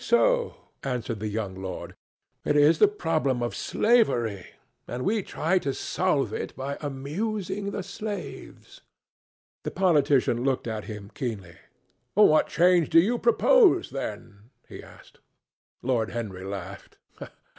"Quite so," answered the young lord. "It is the problem of slavery, and we try to solve it by amusing the slaves." The politician looked at him keenly. "What change do you propose, then?" he asked. Lord Henry laughed.